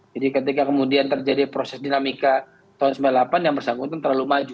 jadi ketika kemudian terjadi proses dinamika tahun seribu sembilan ratus sembilan puluh delapan yang bersangkutan terlalu maju